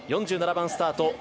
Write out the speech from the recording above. ４７番スタート